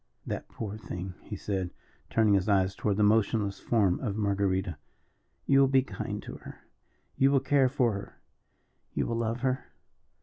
"That poor thing," he said, turning his eyes toward the motionless form of Marguerita, "you will be kind to her you will care for her you will love her?"